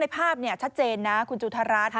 ภาพชัดเจนนะคุณจุธรัฐ